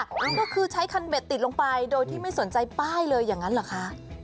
ก็คือใช้คันเด็ดติดลงไปโดยที่ไม่สนใจป้ายเลยอย่างนั้นเหรอคะ